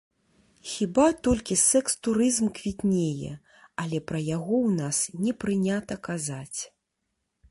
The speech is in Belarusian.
Хіба толькі сэкс-турызм квітнее, але пра яго ў нас не прынята казаць.